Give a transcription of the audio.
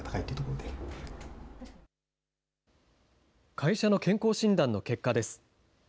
会社の健康診断の結果です。